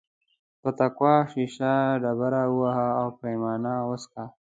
پر تقوا شیشه ډبره ووهه او پیمانه وڅښه.